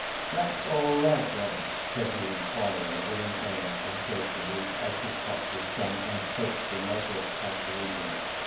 " That's all right, then," said the inquirer, with an air of great relief, as he cocked his gun and poked the muzzle out the window.